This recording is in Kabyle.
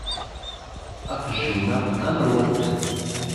Aqjun-a am llufan.